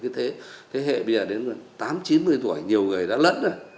thế thế hệ bây giờ đến tám chín một mươi tuổi nhiều người đã lớn rồi